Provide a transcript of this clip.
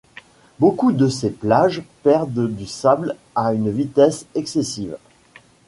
Beaucoup de ces plages perdent du sable à une vitesse excessive.